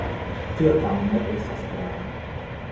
Tio tamen ne estas prava.